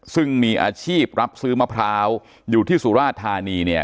ซึ่งมีอาชีพรับซื้อมะพร้าวอยู่ที่สุราชธานีเนี่ย